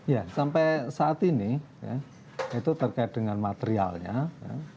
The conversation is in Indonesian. ya sampai saat ini ya itu terkait dengan materialnya ya